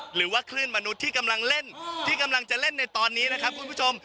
หรือว่าคลื่นมนุษย์ที่กำลังเล่นที่กำลังจะเล่นในตอนนี้นะครับคุณผู้ชม